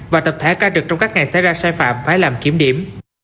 và tập thể ca trực trong các ngày xảy ra sai phạm phải làm kiểm điểm